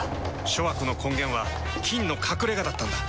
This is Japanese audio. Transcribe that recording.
諸悪の根源は「菌の隠れ家」だったんだ。